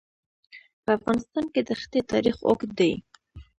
په افغانستان کې د ښتې تاریخ اوږد دی.